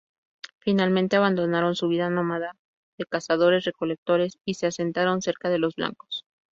Finalmente abandonaron su vida nómada de cazadores-recolectores y se asentaron cerca de los blancos.